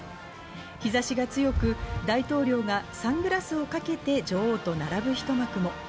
日差しが強く、大統領がサングラスをかけて女王と並ぶ一幕も。